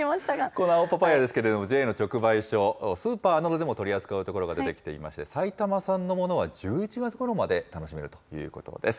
この青パパイアですけれども、ＪＡの直売所、スーパーなどでも取り扱う所が出てきまして、埼玉産のものは１１月ごろまで楽しめるということです。